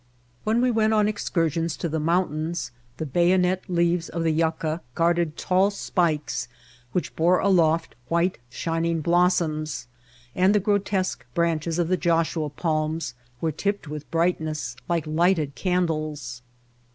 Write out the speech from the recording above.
When we went on excursions to the mountains the bayonet leaves of the yucca guarded tall White Heart of Mojave spikes which bore aloft white, shining blos soms, and the grotesque branches of the Joshua palms were tipped with brightness like lighted candles.